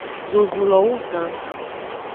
Zozulo wu gan.